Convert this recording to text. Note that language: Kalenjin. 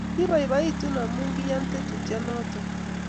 kiabaibaitu omu keyan tetutienoto